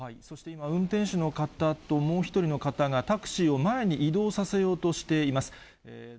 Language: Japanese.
運転手の方ともう１人の方が、タクシーを前に移動させようとしています。